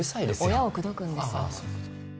親を口説くんですよああ